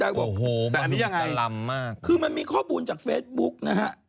กินแบบมีช่วงหนังมา